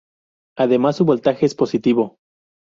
Además su voltaje es positivo.